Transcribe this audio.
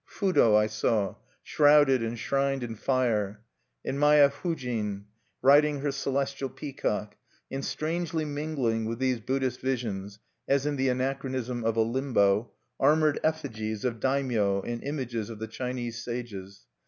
Fudo I saw, shrouded and shrined in fire, and Maya Fujin, riding her celestial peacock; and strangely mingling with these Buddhist visions, as in the anachronism of a Limbo, armored effigies of Daimyo and images of the Chinese sages.